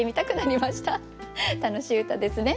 楽しい歌ですね。